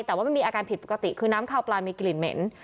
แต่ว่ามันมีอาการผิดปกติคือน้ำคาวปลามีกลิ่นเหม็น